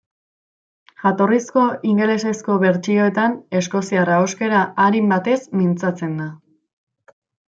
Jatorrizko ingelesezko bertsioetan eskoziar ahoskera arin batez mintzatzen da.